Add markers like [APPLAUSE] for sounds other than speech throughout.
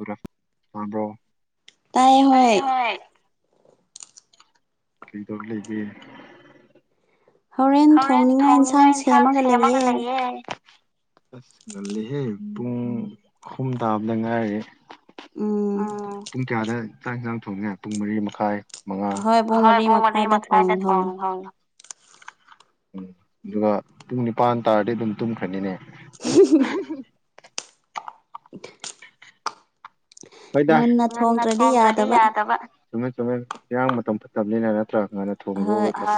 ꯨꯗ ꯑꯇꯔ꯭ꯔꯣ ꯇꯥꯏ ꯍꯣꯏ ꯀꯗꯧꯔ ꯂꯩꯒꯦ ꯍꯣꯔꯦꯟ ꯊꯣꯡꯅꯤꯉꯥꯏ ꯏꯟꯁꯥꯡ ꯁꯦꯝꯃꯒ ꯂꯩꯌꯦ ꯑꯁ ꯉꯜꯂꯤꯍꯦ ꯄꯨꯡ ꯑꯍꯨꯝ ꯇꯥꯕꯗ ꯉꯥꯏꯔꯦ ꯎ ꯄꯨꯡ ꯀꯌꯥꯗ ꯆꯥꯡ ꯏꯟꯁꯥꯡ ꯊꯣꯡꯉꯦ ꯄꯨꯡ ꯃꯔꯤ ꯃꯈꯥꯏ ꯍꯣꯏ ꯄꯣ ꯃꯔꯤ ꯏꯃ ꯐꯥꯏꯗ ꯀ ꯍꯥꯎ ꯎꯝ ꯑꯗꯨꯒ ꯄꯨꯡ ꯅꯤꯄꯥꯟ ꯇꯥꯔꯗꯤ ꯑꯗꯨꯝ ꯇꯨꯝꯈ꯭ꯔꯅꯤꯅꯦ ꯉꯟꯅ ꯊꯣꯡꯗ꯭ꯔꯗꯤ ꯌꯥꯗꯕ ꯆꯨꯝꯃꯦꯠ ꯆꯨꯝꯃꯤꯠ ꯏꯔꯥꯡ ꯃꯇꯝ ꯐꯠꯇꯕꯅꯤꯅ ꯅꯠꯇ꯭ꯔꯥ ꯉꯅ ꯊꯣꯡꯗꯣꯛꯑꯒ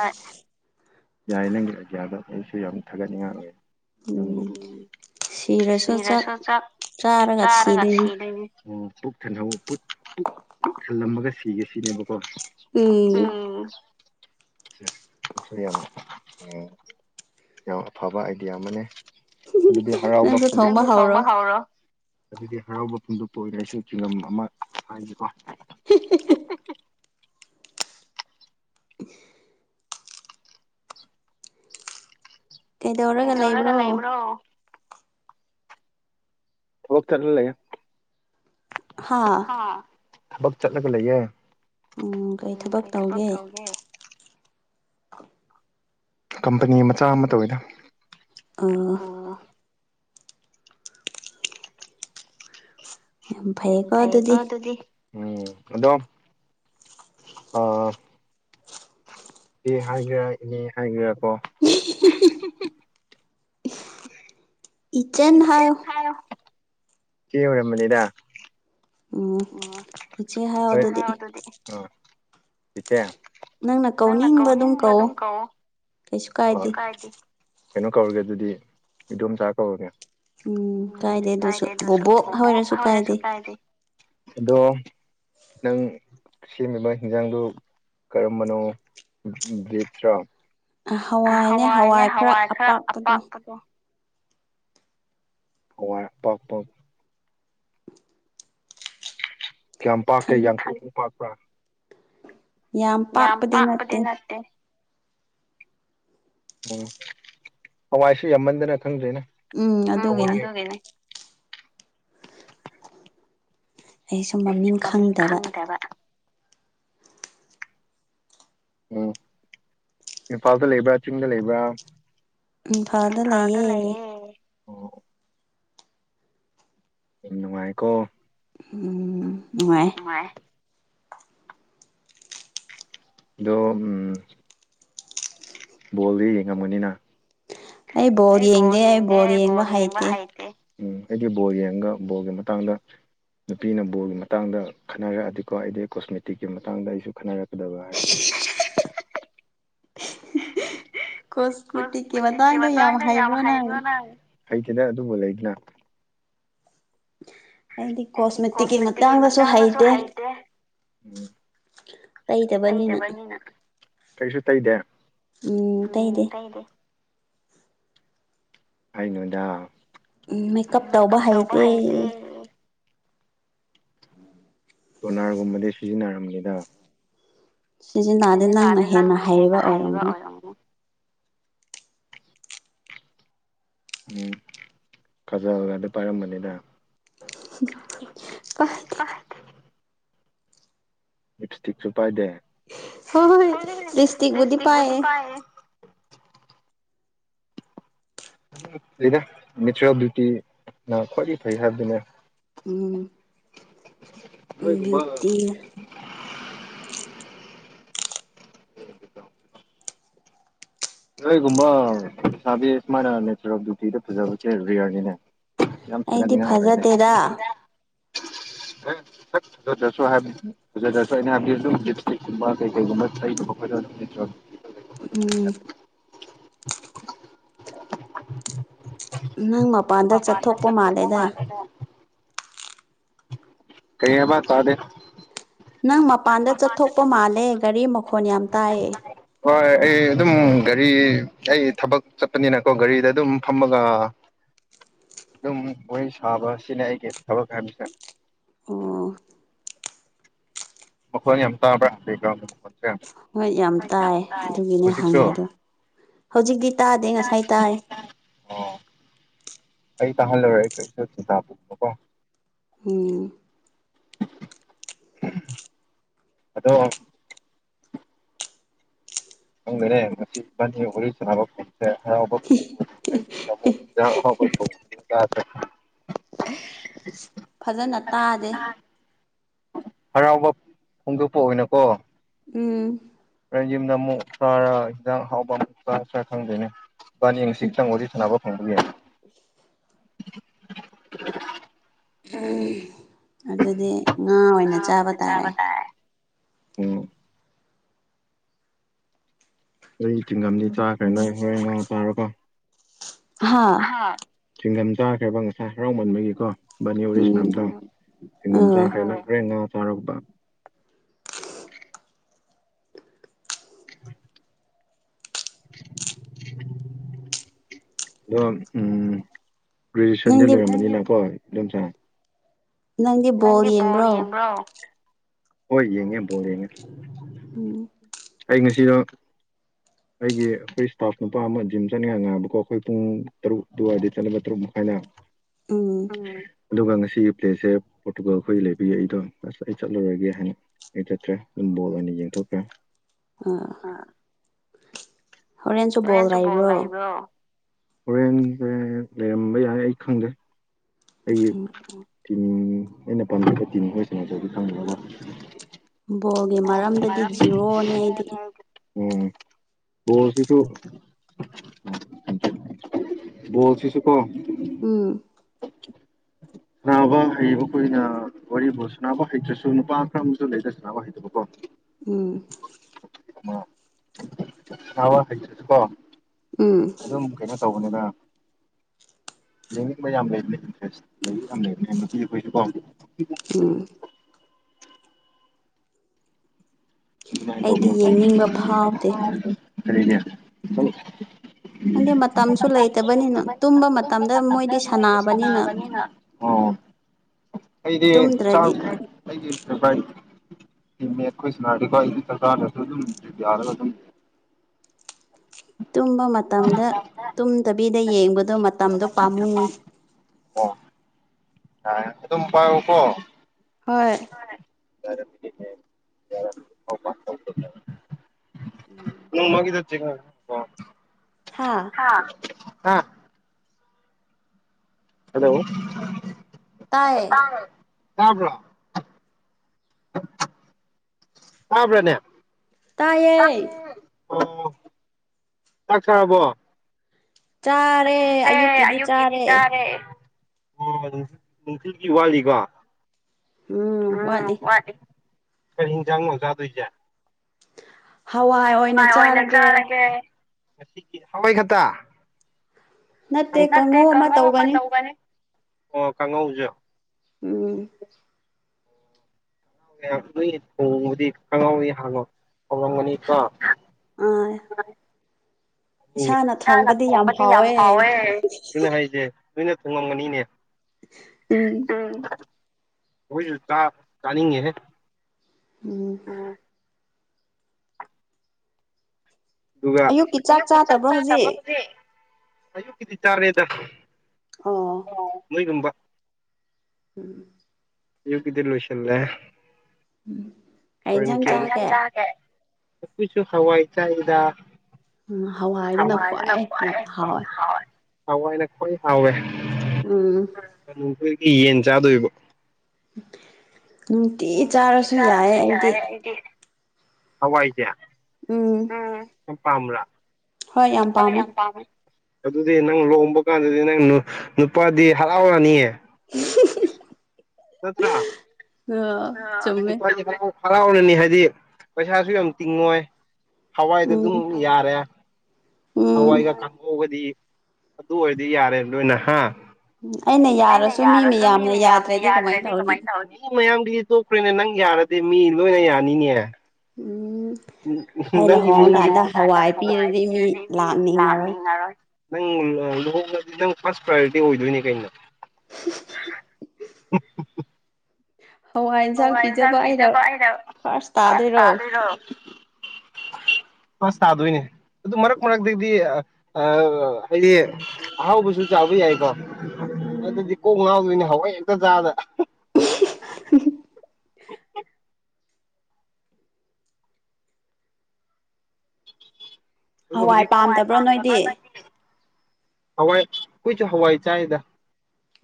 ꯌꯥꯏ ꯅꯪꯒꯤ ꯑꯥꯏꯖꯌꯥꯗ ꯑꯩꯁꯨ ꯌꯥꯝ ꯊꯥꯒꯠꯅꯤꯡꯉꯥꯏ ꯑꯣꯏ ꯅꯪꯕꯨ ꯁꯤꯔꯁꯨ ꯆ ꯆꯔꯒ ꯁꯤ ꯂꯩꯅꯤ ꯄꯨꯛ ꯊꯟꯍꯧ ꯄꯨꯛ ꯊꯜꯂꯝꯃꯒ ꯁꯤꯒꯦ ꯁꯤꯅꯦꯕ ꯎꯝ ꯐꯔꯤꯃ ꯌꯥꯝ ꯑꯐꯕ ꯑꯥꯏꯗꯤꯌꯥ ꯑꯃꯅꯦ ꯑꯗꯨ ꯍꯔꯥꯎꯕ ꯐ ꯑꯗꯨꯗꯤ ꯍꯔꯥꯎꯕ ꯐꯣꯡꯗꯣꯛꯄ ꯑꯣꯏꯔꯁꯨ ꯐꯤꯒꯝ ꯑꯃ ꯍꯥꯏꯁꯀꯣ ꯀꯩꯗꯧꯔꯒ ꯂꯩꯕ꯭ꯔꯣ ꯍꯇꯥꯔ ꯂꯩꯒ ꯍꯥꯥ ꯊꯕꯛ ꯆꯠꯂꯒ ꯂꯩꯦ ꯎꯝ ꯀꯩ ꯊꯕꯛ ꯇꯧꯒꯦ ꯀꯝꯄꯅꯤ ꯃꯆꯥ ꯑꯃ ꯇꯧꯋꯤꯗ ꯌꯥꯝ ꯐꯩꯌꯦꯀꯣ ꯑꯗꯨꯗꯤ ꯎꯝ ꯑꯗꯣ ꯑ ꯏ ꯍꯥꯏꯈꯦꯔꯥ ꯏꯅꯦ ꯍꯥꯏꯈꯦꯔꯥ ꯀꯣ ꯆꯦ ꯍꯥꯏ ꯀꯔꯝꯃꯅꯤꯗ ꯆꯦ ꯅꯪꯅ ꯀꯧꯅꯤꯡꯕ ꯑꯗꯨꯝ ꯀꯧꯑꯣ ꯀꯩꯁꯨ ꯀꯥꯏꯗꯦ ꯀꯩꯅꯣ ꯀꯧꯔꯒꯦ ꯑꯗꯨꯗꯤ ꯏꯗꯣꯝꯆꯥ ꯀꯧꯔꯒꯦ ꯎꯝ ꯀꯥꯏꯗꯦ ꯑꯗꯨꯁꯨ ꯕꯣꯕꯣꯛ ꯍꯥꯏꯔꯁꯨ ꯀꯥꯏꯗꯦ ꯑꯗꯣ ꯅꯪ ꯁꯦꯝꯃꯤꯕ ꯍꯤꯟꯖꯥꯡꯗꯨ ꯀꯔꯝꯕꯅꯣ ꯇ꯭ꯔꯥ ꯍꯋꯥꯏꯅꯦ ꯍꯋꯥꯏ ꯈꯔ ꯑꯄꯥꯛꯄꯗꯣ ꯋꯥ ꯄꯥꯛ ꯄ ꯀꯌꯥꯝ ꯄꯥꯛꯀꯦ ꯌꯥꯝ ꯊ ꯄꯥꯛꯄ꯭ꯔꯥ ꯌꯥꯝ ꯄꯥꯛꯄꯗꯤ ꯅꯠꯇꯦ ꯎꯝ ꯑ ꯑꯁꯨ ꯌꯥꯝ ꯃꯟꯗ ꯅ ꯊꯪꯗꯦꯅ ꯑꯩꯁꯨ ꯃꯃꯤꯡ ꯈꯪꯗꯕ ꯎꯝ ꯏꯝꯐꯥꯜꯗ ꯂꯩꯕ꯭ꯔꯥ ꯆꯤꯡꯗ ꯂꯩꯕ꯭ꯔꯥ ꯎꯝ ꯐꯔꯗꯂꯑꯦ ꯅꯨꯡꯉꯥꯏꯀꯣ ꯎꯝ ꯅꯨꯡꯉꯥꯏ ꯗꯣ ꯎꯝ ꯕꯣꯜꯗꯤ ꯌꯦꯡꯉꯝꯃꯅꯤꯅ ꯑꯩ ꯕꯣꯔ ꯌꯦꯡꯗꯦ ꯑꯩ ꯕꯣꯔ ꯌꯦꯡꯕ ꯍꯥꯏꯩꯇꯦ ꯎꯝ ꯑꯩꯗꯤ ꯕꯣꯜ ꯌꯦꯡꯉꯒ ꯕꯣꯜꯒꯤ ꯃꯇꯥꯡꯗ ꯅꯨꯄꯤꯅ ꯕꯣꯜꯒꯤ ꯃꯇꯥꯡꯗ ꯈꯟꯅꯔꯛꯑꯗꯤꯀꯣ ꯑꯩꯗꯤ ꯑꯦꯀꯣꯁꯃꯦꯇꯤꯛꯀꯤ ꯃꯇꯥꯡꯗ ꯑꯩꯁꯨ ꯈꯟꯅꯔꯛꯀꯗꯕ ꯍꯥꯏ [UNINTELLIGIBLE] ꯀꯣꯁꯃꯇꯤꯛꯀꯤ ꯃꯇꯥꯡꯗ ꯌꯥꯝ ꯍꯥꯏꯗꯣ ꯅꯪ ꯍꯩꯇꯅ ꯑꯗꯨꯕꯨ ꯂꯩꯗꯅ ꯑꯩꯗꯤ ꯀꯣꯁꯃꯦꯇꯤꯛꯀꯤ ꯃꯇꯥꯡꯗꯁꯨ ꯍꯩꯇꯦ ꯇꯩꯗꯕꯅꯤꯅ ꯀꯩꯁ ꯇ ꯏꯗꯦ ꯎꯝ ꯇꯩꯗ ꯍꯩꯅꯗꯥ ꯎꯝ ꯃꯦꯀꯞ ꯇꯧꯕ ꯍꯩꯇꯦ ꯀꯣꯅꯔꯒꯨꯝꯕꯗꯤ ꯁꯤꯖꯤꯟꯅꯔꯝꯗꯦꯗ ꯁꯤꯁꯤ ꯅꯥꯗꯤ ꯅꯪꯅ ꯍꯦꯟꯅ ꯍꯥꯏꯩꯔꯤꯕ ꯑꯣꯏꯔꯝꯒꯅꯤ ꯎꯝ ꯈꯖꯥꯒꯗ ꯄꯥꯏꯔꯝꯕꯅꯤꯗ ꯀꯗꯤ ꯂꯤꯞ ꯏꯁꯇꯤꯛꯁꯨ ꯄꯥꯏꯗꯦ ꯍ ꯍꯣꯏ ꯗꯁꯛꯕꯨꯗꯤ ꯄꯥꯏ ꯑꯗꯨꯗ ꯅꯦꯆꯔꯦꯜꯐ ꯕ꯭ꯌꯨꯇꯤꯅ ꯈ꯭ꯋꯥꯏꯗꯒꯤ ꯐꯩ ꯍꯥꯏꯕꯗꯨꯅꯦ ꯎꯝ [UNINTELLIGIBLE] ꯅꯨꯠꯇꯤꯟ ꯀꯣꯏꯒꯨꯝꯕ ꯁꯥꯥꯕꯤ ꯃꯥꯅ ꯅꯦꯆꯔꯦꯜꯐ ꯕ꯭ꯌꯨꯇꯤꯗ ꯐꯖꯕꯁꯦ ꯔꯤꯌꯔꯅꯤꯅꯦ ꯌꯥꯝ ꯊꯨꯒꯥꯟꯅꯤꯡꯉ ꯍꯔꯩꯅ ꯖ ꯑꯩꯅ ꯍꯥꯏꯕꯤꯔꯁꯨ ꯇꯛꯀꯨꯝꯕ ꯀꯩ ꯀꯩꯒꯨꯝꯕ [INAUDIBLE] ꯄꯗ ꯆꯠꯊꯄ ꯃꯥꯔꯦꯗ ꯀꯩꯅ ꯍꯥꯏꯕ ꯇ ꯇꯗꯦ ꯅꯪ ꯃꯄꯥꯟꯗ ꯆꯠꯊꯣꯛꯄ ꯃꯥꯜꯂꯦ ꯒꯥꯔꯤ ꯃꯈꯣꯟ ꯌꯥꯝ ꯇꯥꯏꯌꯦ ꯍꯣꯏ ꯑꯩ ꯑꯗꯨꯝ ꯒꯥꯔꯤ ꯑꯩ ꯊꯕꯛ ꯆꯠꯄꯅꯤꯅꯀꯣ ꯒꯥꯔꯤꯗ ꯑꯗꯨꯝ ꯐꯝꯃꯒ ꯝ ꯣꯏ ꯁꯋꯥꯕꯁꯤ ꯂꯩ ꯑꯩ ꯀꯦ ꯁꯕ ꯈꯕꯤꯁ ꯑꯣ ꯃꯈꯣꯟ ꯑꯝ ꯍꯥ ꯃꯈꯣꯟ ꯍꯣꯏ ꯌꯥꯝ ꯇꯥꯏ ꯑꯗꯨꯒꯤꯅꯦ ꯍꯪꯉꯦꯗꯣ ꯍꯧꯖꯤꯛꯇꯤ ꯇꯥꯗꯦ ꯉꯁꯥꯏ ꯇꯥꯏ ꯑꯣ ꯑꯩ ꯇꯥꯍꯜꯂꯔꯦ ꯀꯔꯤꯁꯨ ꯆꯦꯟꯊ ꯄꯕꯀꯣ ꯎꯝ ꯑꯗꯣ ꯍꯪꯗꯅꯦꯦ ꯃꯁꯅꯤ ꯍ ꯆꯂꯕ [INAUDIBLE] ꯌꯥ ꯐꯖꯅ ꯇꯥꯗꯦ ꯍꯔꯥꯎꯕ ꯐꯣꯡꯗꯣꯛꯄ ꯑꯣꯏꯅꯀꯣ ꯎꯝ ꯍ ꯌꯨꯝꯗ ꯑꯃꯨꯛ ꯆꯥꯔ ꯍꯤꯟꯖꯥꯡ ꯍꯥꯎꯕ ꯑꯃꯨꯛ ꯆ ꯈꯔ ꯈꯪꯗꯣꯏꯅꯦ ꯕꯥꯅꯤ ꯌꯦꯡꯁꯤ ꯈꯤꯇꯪꯕꯗꯤ ꯁꯥꯟꯅꯕ ꯐꯪꯕ ꯌꯥ ꯍꯝ ꯑꯗꯨꯗꯤ ꯉꯥ ꯑꯣꯏꯅ ꯆꯥꯕ ꯇꯥꯔꯦ ꯎꯝ ꯑꯩ ꯆꯤꯡꯒꯝꯗꯤ ꯆꯥꯈ꯭ꯔꯦ ꯅꯣꯏ ꯍꯣꯔꯦꯟ ꯉꯥꯎ ꯆꯥꯔꯣꯀꯣ ꯍꯥꯥ ꯆꯤꯡꯒꯝ ꯆꯥꯈ꯭ꯔꯕ ꯉꯁꯥꯏ ꯍꯔꯥꯎꯃꯟꯕꯒꯤꯀꯣ ꯕꯥꯅꯤꯣꯔꯤꯁꯅꯥꯝꯇ ꯆꯤꯡꯗꯝ ꯆꯥꯈ꯭ꯔꯦꯅ ꯀ꯭ꯔꯦꯟꯅ ꯁꯔꯛꯕꯥ [INAUDIBLE] ꯑꯣ ꯎꯝ ꯒ꯭ꯔꯦꯖꯨꯑꯦꯁꯟꯗ ꯂꯩꯔꯝꯕꯅꯤꯅꯀꯣ ꯑꯗꯨꯝꯁꯥꯡ ꯅꯪ ꯣꯔ ꯌꯦꯡꯕ꯭ꯔꯣ ꯍꯣꯏ ꯌꯦꯡꯉꯦ ꯣꯔ ꯌꯦꯡꯉꯦ ꯎꯝ ꯑꯩ ꯉꯁꯤꯗꯣ ꯑꯩꯒꯤ ꯑꯩꯈꯣꯏ ꯏꯁꯇꯥꯐ ꯅꯨꯄꯥ ꯑꯃ ꯖꯤꯝ ꯆꯠꯅꯤꯡꯉ ꯉꯥꯏꯑꯕꯀꯣ ꯑꯩꯈꯣꯏ ꯄꯨꯡ ꯇꯔꯨꯛ ꯑꯗꯨꯋꯥꯏꯗ ꯆꯠꯂꯒ ꯇꯔꯨꯛꯃꯨ ꯍꯥꯏꯅ ꯑꯗꯨꯒ ꯉꯁꯤꯒꯤ ꯄ꯭ꯂꯦꯁꯦ ꯄꯣꯔꯇꯨꯒꯥꯜ ꯑꯩꯈꯣꯏꯒꯤ ꯂꯩꯕꯒꯤ ꯑꯩꯗꯣ ꯑꯁ ꯑꯩ ꯆꯠꯂꯨꯔꯒꯦ ꯍꯥꯏꯅ ꯑꯩ ꯆꯠꯇ꯭ꯔꯦ ꯑꯗꯨꯝ ꯕꯣꯜ ꯑꯣꯏꯅ ꯌꯦꯡꯊꯣꯛꯈ꯭ꯔꯦ ꯑꯥ ꯃꯦꯟꯁꯨꯕꯣꯜ꯭ꯔꯦꯕꯣ ꯍꯣꯔꯦꯟꯁꯦ ꯂꯩꯔꯝꯕ ꯌꯥꯏ ꯑꯩ ꯈꯪꯗꯦ ꯑꯩ ꯎꯟ ꯏꯟꯅ ꯄꯗ ꯄꯤꯅꯤ ꯍꯣꯏ ꯁ ꯆ ꯐꯪ ꯍ [UNINTELLIGIBLE] ꯎꯝ ꯕꯣꯜ ꯁꯤꯁꯨ ꯣꯁꯤꯁꯨꯨ ꯀꯣ ꯎꯝ [INAUDIBLE] ꯁꯥꯟꯅꯕ ꯍꯩꯕꯈꯣꯏꯅ ꯋꯥꯔꯤꯕꯨ ꯁ꯭ꯅꯕ ꯍꯩꯇ꯭ꯔꯁꯨ ꯅꯨꯄꯥ ꯈꯔ ꯑꯃꯁꯨ ꯂꯩꯗ ꯁꯥꯅꯕ ꯍꯩꯇꯕ꯫ ꯎꯝ ꯑꯝ ꯁ꯭ꯅꯥꯕ ꯍꯩꯇ꯭ꯔꯖꯨ ꯀꯣ ꯎꯝ ꯇꯧꯕꯅꯤꯗ ꯂꯦꯡꯅꯤꯡꯕ ꯌꯥꯝ ꯂꯩꯕꯅꯦ ꯏꯟꯇꯔꯦꯁ ꯂꯩꯕ ꯌꯥꯝ ꯂꯩꯕꯅꯦ ꯅꯨꯄꯤ ꯑꯈꯣꯏꯁꯨꯀꯣ [UNINTELLIGIBLE] ꯈꯪꯗꯦ ꯃꯇꯝꯁꯨ ꯂꯩꯇꯕꯅꯤꯅ ꯇꯨꯝꯕ ꯃꯇꯝꯗ ꯃꯣꯏꯗꯤ ꯁꯥꯟꯕꯅꯤꯅ ꯑꯩꯗꯤ ꯆꯥꯡ ꯍꯦꯛ ꯑꯩꯒꯤ ꯐꯦꯕꯔꯥꯏꯠ ꯈꯣꯏ ꯌꯥꯔꯦꯀꯣ ꯑꯩꯗꯤ ꯆꯥꯛ ꯆꯥꯗ꯭ꯔꯁꯨ ꯑꯗꯨꯝ ꯌꯥꯔꯒ ꯑꯗꯨꯝ ꯇꯨꯝꯕ ꯃꯇꯝꯗ ꯇꯨꯝꯗꯕꯤꯗ ꯌꯦꯡꯕꯗꯣ ꯃꯇꯝꯗꯣ ꯄꯥꯝꯃꯨꯏ꯫ ꯑꯣ ꯌꯥꯔꯦ ꯑꯗꯨꯝ ꯄꯥꯏꯌꯣꯀꯣ꯫ ꯍꯣꯏ꯫ ꯌꯥꯔꯝꯃꯦꯅꯦ ꯌꯥꯔꯝꯍꯧꯕ [UNINTELLIGIBLE] ꯍꯥ ꯍꯜꯂꯣ ꯇꯥꯔꯦ ꯇꯥꯕ꯭ꯔꯣ ꯇꯥꯕ꯭ꯔꯅꯦ? ꯀꯪ ꯑꯣ ꯆꯥꯛ ꯆꯔꯕꯣ? ꯆꯥꯔꯦ ꯑꯌꯨꯛꯀꯤꯗꯤ ꯆꯥꯔꯦ꯫ ꯎꯝ ꯅꯨꯡꯊꯤꯜꯒꯤ ꯋꯥꯠꯂꯤꯕ? ꯎꯝ ꯋꯥꯠꯂꯤ꯫ ꯀꯔꯤ ꯍꯤꯟꯖꯥꯡꯅꯣ ꯆꯥꯗꯣꯏꯖꯦ꯫ ꯍꯋꯥꯏ ꯑꯣꯏꯅ ꯆꯥꯔꯒꯦ ꯍꯋꯥꯏ ꯈꯇ ꯅꯠꯇꯦ ꯀꯪꯉꯧ ꯑꯃ ꯇꯧꯒꯅꯤ ꯑꯣ ꯀꯪꯉꯧꯖꯨ ꯎꯝ ꯌꯥꯝ ꯇꯣꯏ ꯊꯣꯡꯕꯗꯤ ꯈꯪꯍꯧꯏ ꯍꯥꯡꯉꯣ ꯊꯣꯡꯉꯝꯒꯅꯤꯀꯣ ꯍꯣꯏ ꯏꯁꯥꯅ ꯊꯣꯡꯕꯗꯤ ꯌꯥꯝ ꯍꯥꯎꯋꯦ ꯑꯗꯨꯅꯦ ꯍꯥꯏꯖꯦ ꯅꯣꯏꯅ ꯊꯣꯡꯉꯝꯒꯅꯤꯅꯦ ꯎꯝ ꯑꯩꯈꯣꯏꯁꯨ ꯇꯥ ꯇꯥꯅꯤꯡꯉꯦꯍꯦ ꯎꯝ ꯑꯗꯨꯒ ꯑꯌꯨꯛꯀꯤ ꯆꯥꯛ ꯆꯥꯗꯕ ꯍꯨꯖꯤꯛ ꯑꯌꯨꯛꯀꯤꯗꯤ ꯆꯥꯔꯦꯗ ꯑꯣ ꯅꯣꯏꯒꯨꯝꯕ ꯎꯝ ꯑꯌꯨꯛꯀꯤꯗꯤ ꯂꯣꯏꯁꯤꯜꯂꯦ꯫ ꯎꯝ ꯀꯔꯤ ꯍꯦꯟꯖꯥꯡ ꯆꯥꯔꯒꯦ ꯑꯩꯈꯣꯏꯁꯨ ꯍꯋꯥꯏ ꯆꯥꯏꯗ ꯍꯋꯥꯏꯗꯨꯅ ꯈ꯭ꯋꯥꯏ ꯍꯦꯟꯅ ꯍꯥꯎꯋꯦ ꯍꯋꯥꯏꯅ ꯈ꯭ꯋꯥꯏ ꯍꯥꯎꯋꯦ ꯎꯝ ꯑꯩꯈꯣꯏꯒꯤ ꯌꯦꯟ ꯆꯥꯗꯣꯏꯕ ꯅꯨꯡꯇꯤ ꯆꯥꯔꯁꯨ ꯌꯥꯏꯌꯦ ꯑꯩꯗꯤ ꯍꯋꯥꯏꯖꯦ ꯎꯝ ꯄꯥꯝꯕ꯭ꯔꯥ? ꯍꯣꯏ ꯌꯥꯝ ꯄꯥꯝꯃꯦ ꯑꯗꯨꯗꯤ ꯅꯪ ꯂꯨꯍꯣꯡꯕ ꯀꯥꯟꯗꯗꯤ ꯅꯪ ꯅꯨ ꯅꯨꯄꯥꯗꯤ ꯍꯔꯥꯎꯔꯅꯤꯌꯦ ꯎꯝ ꯇꯠꯇ꯭ꯔ [UNINTELLIGIBLE] ꯍꯔꯥꯎꯅꯅꯤ ꯍꯥꯏꯗꯤ ꯄꯩꯁꯥꯁꯨ ꯌꯥꯝ ꯇꯤꯡꯉꯣꯏ ꯍꯋꯥꯏꯗ ꯑꯗꯨꯝ ꯌꯥꯔꯦ ꯍꯋꯥꯏꯒ ꯀꯥꯡꯍꯧꯑꯒꯗꯤ ꯑꯗꯨ ꯑꯣꯏꯔꯗꯤ ꯌꯥꯔꯦꯕ ꯅꯣꯏꯅ ꯍꯥ ꯑꯩꯅ ꯌꯥꯔꯁꯨ ꯃꯤ ꯃꯌꯥꯝꯅ ꯌꯥꯗ꯭ꯔꯗꯤ ꯀꯃꯥꯏꯅ ꯇꯧꯅꯤ ꯇꯣꯛꯈ꯭ꯔꯦꯅꯦ ꯅꯪ ꯌꯥꯔꯗꯤ ꯃꯤ ꯂꯣꯏꯅ ꯌꯥꯅꯤꯅꯦ ꯎ ꯏꯃꯨꯡ ꯍꯋꯥꯏꯔꯗꯤ ꯂꯥꯛꯑꯅꯤꯡꯉꯔꯣꯏ ꯅꯪ ꯂꯨꯍꯣꯡꯗꯤ ꯅꯪ ꯐꯥꯔꯁ ꯄ꯭ꯔꯥꯏꯌꯣꯔꯤꯇꯤ ꯑꯣꯏꯗꯣꯏꯅꯦ ꯀꯩꯅꯣ [UNINTELLIGIBLE] ꯍ ꯏꯟꯁꯥꯡ ꯄꯤꯖꯕ ꯑꯩꯅ ꯑꯁ ꯇꯥꯗꯣꯏꯔꯣ ꯑꯁ ꯇꯥꯗꯣꯏꯅꯦ ꯑꯗꯨ ꯃꯔꯛ ꯃꯔꯛꯇꯒꯤꯗꯤ ꯍꯥꯏꯗꯤ ꯑꯍꯥꯎꯕꯁꯨ ꯆꯥꯕ ꯌꯥꯏꯀꯣ ꯑꯗꯨꯗꯤ ꯀꯣꯛ ꯉꯥꯎꯗꯣꯏꯅꯦ ꯍꯋꯥꯏ ꯍꯦꯛꯇ ꯆꯥꯗ [UNINTELLIGIBLE] ꯔꯣꯖꯤ ꯈꯥꯎꯃ ꯍꯥꯏ ꯇꯗ ꯈꯔ ꯅꯪ ꯍꯋꯥꯏ ꯀꯣꯏꯁꯨ ꯍꯋꯥꯏ ꯆꯥꯥꯏꯗ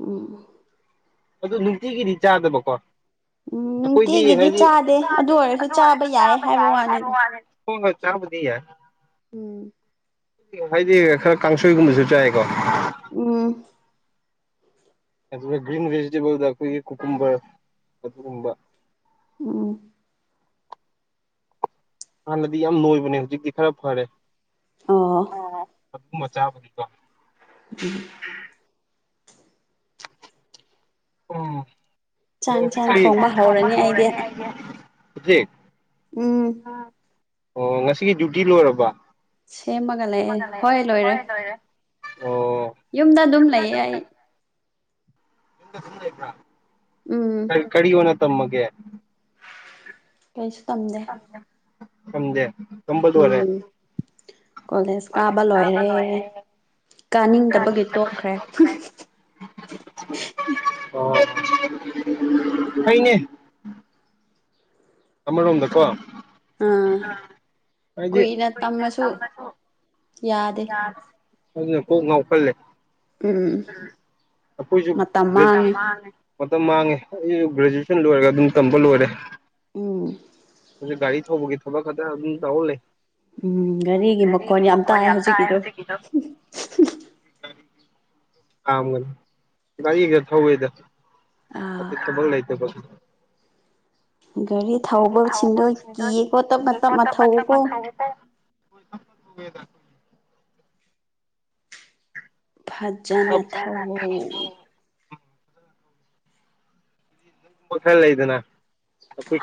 ꯑ ꯑꯗꯨ ꯅꯨꯡꯇꯤꯒꯤꯗꯤ ꯆꯥꯗꯕꯀꯣ ꯑꯩꯈꯣꯏꯗꯤ ꯍꯥꯏꯗꯤ ꯑꯗꯨ ꯑꯣꯏꯔꯁꯨ ꯆꯥꯕ ꯌꯥꯏ ꯍꯥꯏꯕ ꯋꯥꯅꯤ ꯍꯥꯏꯗꯤ ꯈꯔ ꯀꯥꯡꯁꯣꯏꯒꯨꯝꯕꯁꯨ ꯆꯥꯏꯀꯣ ꯎꯝ ꯑꯗꯨꯒ ꯒ꯭ꯔꯤꯟ ꯚꯦꯖꯤꯇꯦꯕꯜꯗ ꯑꯩꯈꯣꯏꯒꯤ ꯀꯨꯀꯨꯝꯕ ꯑꯗꯨꯒꯨꯝꯕ ꯑꯣ ꯍꯥꯟꯅꯗꯤ ꯌꯥꯝ ꯅꯣꯏꯕꯅꯦ ꯍꯧꯖꯤꯛꯇꯤ ꯈꯔ ꯐꯔꯦ ꯑꯣ ꯑꯗꯨꯒꯨꯝꯕ ꯆꯥꯕꯅꯤꯀꯣ ꯎ ꯎꯝ ꯑꯣ ꯉꯁꯤꯒꯤ ꯗ꯭ꯌꯨꯇꯤ ꯂꯣꯏꯔꯕ ꯁꯦꯝꯃꯒ ꯂꯩꯦ ꯍꯣꯏ ꯂꯣꯏꯔꯦ ꯌꯨꯝꯗ ꯑꯗꯨꯝ ꯂꯩꯌꯦ ꯑꯩ ꯭ꯔ ꯀ ꯀꯔꯤꯣꯅ ꯇꯃꯒꯦ ꯀꯩꯁꯨ ꯇꯝꯗꯦ ꯂꯝꯖꯦ ꯇꯝꯕꯗ ꯋꯥꯔꯦ ꯀꯣꯂꯦꯖ ꯀꯥꯕ ꯂꯣꯏꯔꯦ ꯀꯥꯅꯤꯡꯗꯕꯒꯤ ꯇꯣꯛꯈ꯭ꯔꯦ ꯑꯣ ꯀꯅꯦ ꯇꯃꯔꯣꯝꯗꯀꯣ ꯑꯥ ꯀꯨꯏꯅ ꯇꯝꯃꯁꯨ ꯌꯥꯗꯦ ꯑꯗꯨꯅ ꯀꯣꯛ ꯉꯥꯎꯈꯜꯂꯦ ꯄꯨꯁꯨꯇ ꯃꯇꯝ ꯃꯥꯡꯉꯦ ꯑꯩꯁꯨ ꯒ꯭ꯔꯦꯖꯨꯑꯦꯁꯟ ꯂꯣꯏꯔꯒ ꯑꯗꯨꯝ ꯇꯝꯕ ꯂꯣꯏꯔꯦ ꯎꯝ ꯍꯧꯖꯤꯛ ꯒꯥꯔꯤ ꯊꯧꯕꯒꯤ ꯊꯕꯛ ꯈꯛꯇ ꯑꯗꯨꯝ ꯇꯧꯍꯟ ꯂꯩ ꯎꯝ ꯔꯤꯒꯤ ꯃꯈꯣꯟ ꯌꯥꯝ ꯇꯥꯏ ꯍꯧꯖꯤꯛꯀꯤꯗꯣ ꯊꯒꯅꯤ ꯒꯥꯔꯤꯒ ꯊꯧꯋꯦꯗ ꯊꯕꯛ ꯂꯩꯇꯦ ꯑꯗꯒꯤ ꯊꯥꯎꯕ ꯁꯤꯗꯣꯏ ꯊꯌꯦꯣꯠꯇꯕꯗ ꯃ ꯊꯧꯕꯕ ꯣꯏ ꯁꯒꯗꯣꯏ ꯐꯖꯅ ꯊꯧꯋ ꯈꯔ ꯂꯩꯗꯅ ꯑꯩꯈꯣꯏ